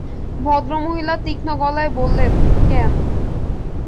ভদ্রমহিলা তীক্ষ্ণ গলায় বললেন, ক্যান?